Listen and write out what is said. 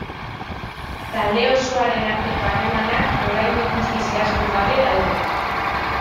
Talde osoaren arteko harremanak oraindik guztiz zehaztu gabe daude.